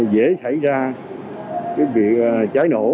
dễ xảy ra cái việc cháy nổ